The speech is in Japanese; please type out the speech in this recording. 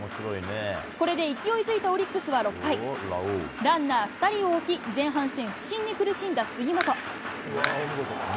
これで勢いづいたオリックスは６回、ランナー２人を置き、前半戦、不振に苦しんだ杉本。